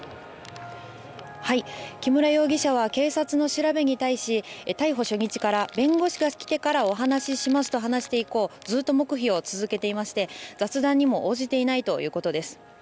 木村容疑者は警察の調べに対し逮捕初日から弁護士が来てからお話ししますと話して以降ずっと黙秘を続けていまして雑談にも応じていないということです。